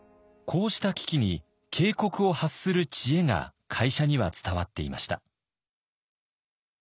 こうした危機に警告を発する知恵が会社には伝わっていました。